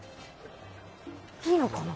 いいのかな。